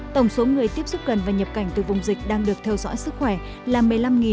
tổng số người tiếp xúc gần và nhập cảnh từ vùng dịch đang được theo dõi sức khỏe là một mươi năm một trăm ba mươi bảy người